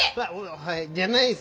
はいじゃないっす。